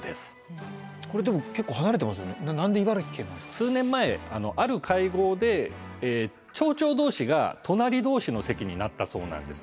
数年前ある会合で町長同士が隣同士の席になったそうなんです。